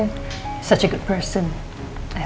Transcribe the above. orang yang baik banget